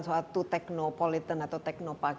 suatu teknopolitan atau teknopark